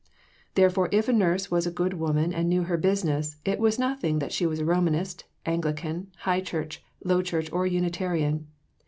Therefore if a nurse was a good woman and knew her business, it was nothing that she was Romanist, Anglican, High Church, Low Church, or Unitarian.